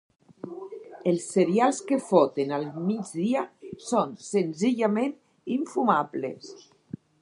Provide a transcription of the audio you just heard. Els serials que foten al migdia són senzillament infumables.